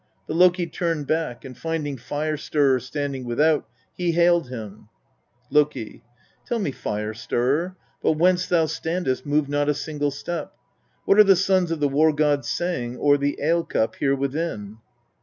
But Loki turned back, and finding Fire stirrer standing without, he hailed him : Loki. 1. Tell me, Fire stirrer but whence thou standest move not a single step what are the sons of the war gods saying o'er the ale cup here within